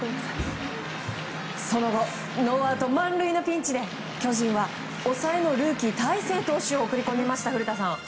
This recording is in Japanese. その後ノーアウト満塁のピンチで巨人は抑えのルーキー大勢投手を送り込みました。